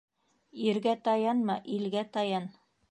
Иргә таянма, илгә таян.